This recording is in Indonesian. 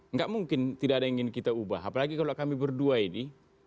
nggak mungkin tidak ada yang ingin kita ubah apalagi kalau kami berdua ini